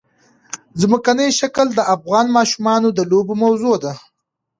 ځمکنی شکل د افغان ماشومانو د لوبو موضوع ده.